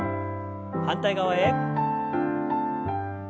反対側へ。